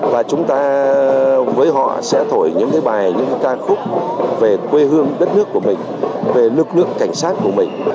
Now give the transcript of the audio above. và chúng ta với họ sẽ thổi những cái bài những ca khúc về quê hương đất nước của mình về lực lượng cảnh sát của mình